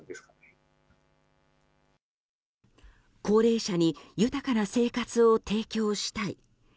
高齢者に豊かな生活を提供したい。